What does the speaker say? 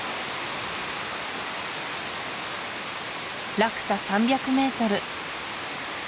落差３００ｍ